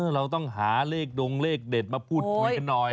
เราต้องหาเลขดงเลขเด็ดมาพูดคุยกันหน่อย